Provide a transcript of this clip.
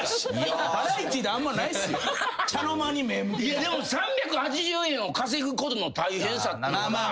いやでも３８０円を稼ぐことの大変さっていうか。